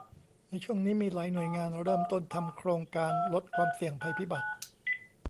ในช่วงนี้มีหลายหน่วยงานเริ่มต้นทำโครงการลดความเสี่ยงภัยพิบัติ